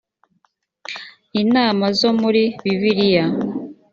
inama zo muri bibiliya